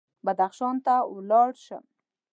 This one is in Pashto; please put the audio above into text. بدخشان ته ولاړ شم.